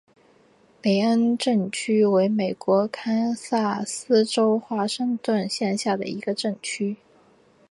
林恩镇区为美国堪萨斯州华盛顿县辖下的镇区。